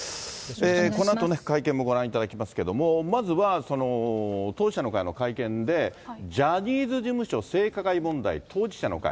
このあと会見もご覧いただきますけれども、まずは当事者の会の会見で、ジャニーズ事務所性加害問題当事者の会。